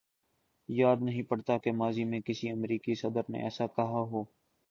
یاد نہیں پڑتا کہ ماضی میں کسی امریکی صدر نے ایسا کہا ہو۔